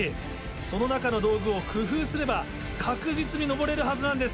その中の道具を工夫すれば確実に登れるはずなんです。